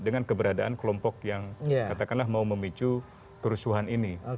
dengan keberadaan kelompok yang katakanlah mau memicu kerusuhan ini